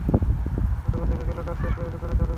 কিন্তু গতকাল দেখা গেল, কাজ শেষ করে দোকান চালুও হয়ে গেছে।